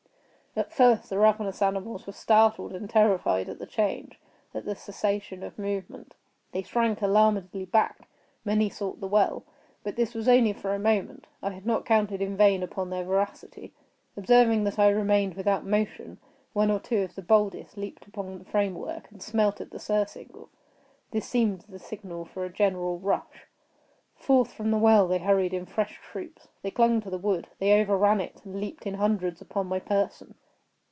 At first the ravenous animals were startled and terrified at the change—at the cessation of movement. They shrank alarmedly back; many sought the well. But this was only for a moment. I had not counted in vain upon their voracity. Observing that I remained without motion, one or two of the boldest leaped upon the frame work, and smelt at the surcingle. This seemed the signal for a general rush. Forth from the well they hurried in fresh troops. They clung to the wood—they overran it, and leaped in hundreds upon my person.